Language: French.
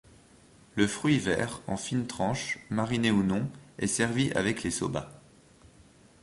Le fruit vert en fines tranches, marinées ou non, est servi avec les soba.